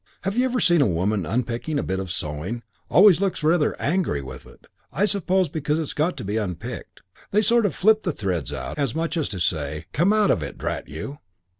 Have you ever seen a woman unpicking a bit of sewing? Always looks rather angry with it, I suppose because it's got to be unpicked. They sort of flip the threads out, as much as to say, 'Come out of it, drat you.